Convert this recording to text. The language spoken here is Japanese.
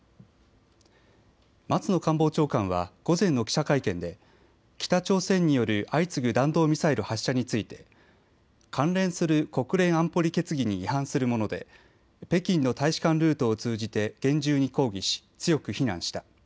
松野官房長官は午前の記者会見で北朝鮮による相次ぐ弾道ミサイル発射について関連する国連安保理決議に違反するもので北京の大使館ルートを通じて厳重に抗議し強く非難した。